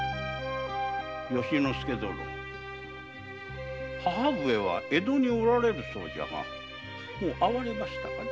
由之助殿母上は江戸におられるそうじゃが会われましたかな？